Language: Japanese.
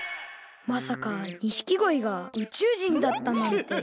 まさか錦鯉が宇宙人だったなんて。